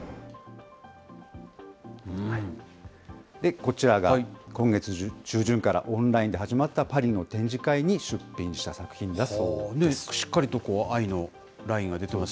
こちらが今月中旬からオンラインで始まったパリの展示会に出しっかりと藍のラインが出てます。